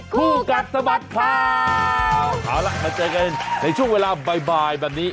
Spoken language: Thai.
กุกับสบัตรขาวพาล่ะเข้าจัยกันในช่วงเวลาบ่ายแบบนี้